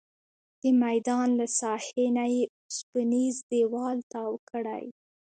د میدان له ساحې نه یې اوسپنیز دیوال تاو کړی.